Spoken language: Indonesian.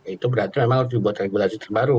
itu berarti memang harus dibuat regulasi terbaru